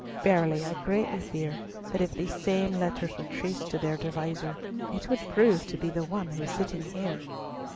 Verily, I greatly fear that if these same letters were traced to their deviser, it would prove to be the one who is sitting here.